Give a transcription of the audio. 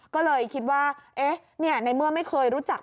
ก็เลยคิดว่าในเมื่อไม่เคยรู้จัก